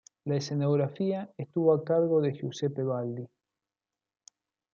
La escenografía estuvo a cargo de Giuseppe Baldi.